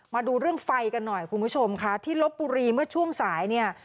มาดูเรื่องไฟกันหน่อยคุณผู้ชมค่ะที่ลบบุรีเมื่อช่วงสายเนี่ย